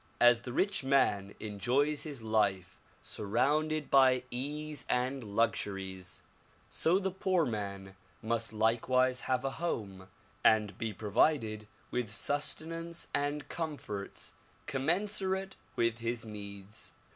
As the rich man enjoys his life surrounded by ease and luxuries, so the poor man must likewise have a home and be provided with sustenance and comforts commensurate with his needs.